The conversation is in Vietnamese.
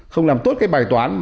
không làm tốt cái bài toán